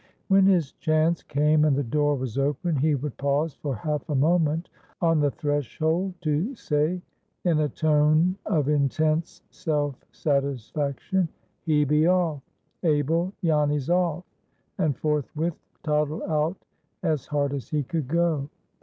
When his chance came and the door was open, he would pause for half a moment on the threshold to say, in a tone of intense self satisfaction, "He be off. Abel! Janny's off!" and forthwith toddle out as hard as he could go.